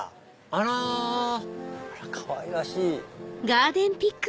あらかわいらしい。